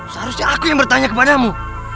seharusnya aku yang bertanya kepadamu